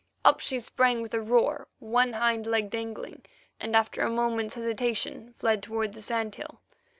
Up she sprang with a roar, one hind leg dangling, and after a moment's hesitation, fled toward the sand hill.